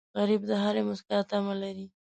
غریب د هرې موسکا تمه لري